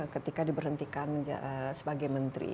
ketika diberhentikan sebagai menteri